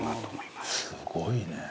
すごいね。